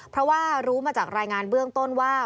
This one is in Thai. เพราะว่ารู้มาจากรายงานเบื้องต้นว่า